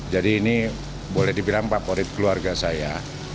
jadi ini boleh dibilang favorit keluarga saya